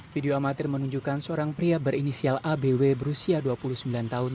video amatir menunjukkan seorang pria berinisial abw berusia dua puluh sembilan tahun